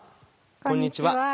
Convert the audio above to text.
こんにちは。